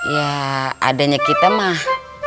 ya adanya kita mah